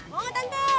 mau nggak tante